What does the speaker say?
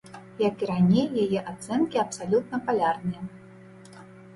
Як і раней, яе ацэнкі абсалютна палярныя.